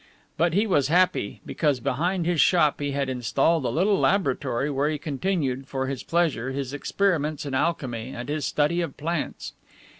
But he was happy, because behind his shop he had installed a little laboratory where he continued for his pleasure his experiments in alchemy and his study of plants.